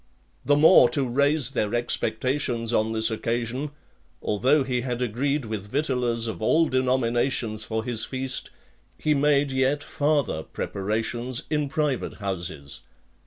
The more to raise their expectations on this occasion, although he had agreed with victuallers of all denominations for his feast, he made yet farther preparations in private houses.